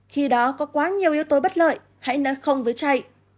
khi đó có quá nhiều yếu tố bất lợi hãy nói không với chạy